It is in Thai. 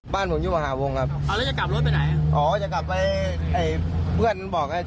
บ้านผมอยู่มหาวงศ์ครับอ๋อแล้วจะกลับรถไปไหนครับอ๋อ